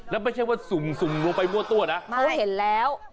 แล้วไม่ใช่ว่าสุ่มลงไปมั่วตัวนะเขาเห็นแล้ว